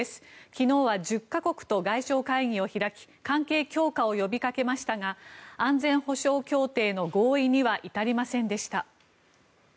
昨日は１０か国と外相会議を開き関係強化を呼びかけましたが安全保障協定の合意には至りませんでした。